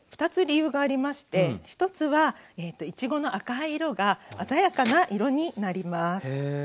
２つ理由がありまして１つはいちごの赤い色が鮮やかな色になります。